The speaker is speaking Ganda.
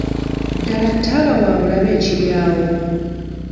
Ddala ttaaba wabulabe ekiri awo?